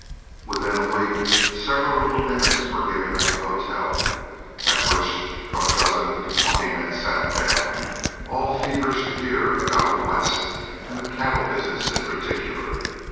Within a week, several little dinners were given at the hotel, at which from a dozen to twenty men sat down, all feverish to hear about the West and the cattle business in particular.